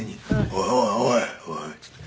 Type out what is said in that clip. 「おいおいおいおい」って言って。